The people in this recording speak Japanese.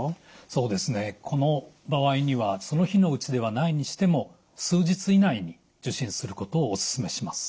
そうですねこの場合にはその日のうちではないにしても数日以内に受診することをおすすめします。